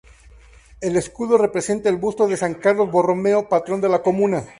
El escudo representa el busto de San Carlos Borromeo, patrón de la comuna.